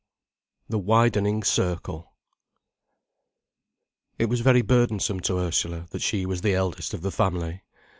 THE WIDENING CIRCLE It was very burdensome to Ursula, that she was the eldest of the family.